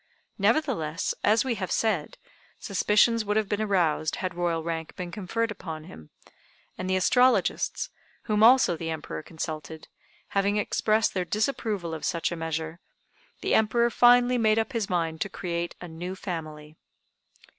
Nevertheless, as we have said, suspicions would have been aroused had Royal rank been conferred upon him, and the astrologists, whom also the Emperor consulted, having expressed their disapproval of such a measure, the Emperor finally made up his mind to create a new family.